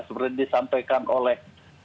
sebenarnya disampaikan oleh